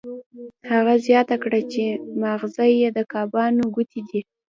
هغه زیاته کړه چې ماغزه یې د کبانو ګوتې دي